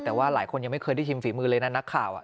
แต่ว่าหลายคนยังไม่เคยได้ชิมฝีมือเลยนะนักข่าว